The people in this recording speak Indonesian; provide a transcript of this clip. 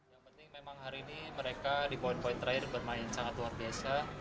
yang penting memang hari ini mereka di poin poin terakhir bermain sangat luar biasa